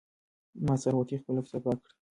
ما سهار وختي خپله کوڅه پاکه کړه.